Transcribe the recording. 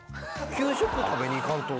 給食食べに行かんと。